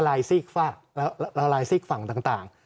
ละลายซีอีกฝั่งกำลังละลายซีอีกฝั่งต่าง